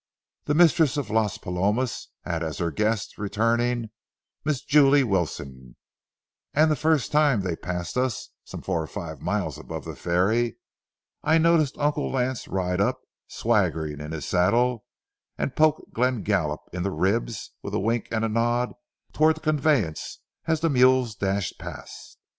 The mistress of Las Palomas had as her guest returning, Miss Jule Wilson, and the first time they passed us, some four or five miles above the ferry, I noticed Uncle Lance ride up, swaggering in his saddle, and poke Glenn Gallup in the ribs, with a wink and nod towards the conveyance as the mules dashed past.